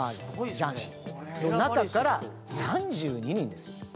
雀士の中から３２人ですよ。